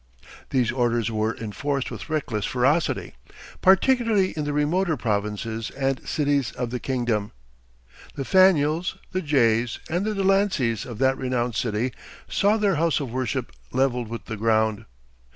These orders were enforced with reckless ferocity, particularly in the remoter provinces and cities of the kingdom. The Faneuils, the Jays, and the Delanceys of that renowned city saw their house of worship leveled with the ground.